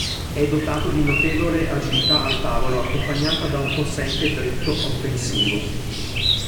È dotato di notevole agilità al tavolo, accompagnata da un possente dritto offensivo.